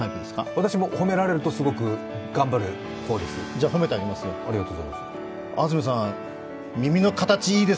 私も褒められるとすごく頑張る方です。